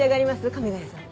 亀ヶ谷さん。